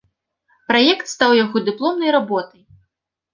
Праект стаў яго дыпломнай работай.